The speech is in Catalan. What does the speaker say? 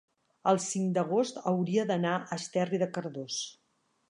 el cinc d'agost hauria d'anar a Esterri de Cardós.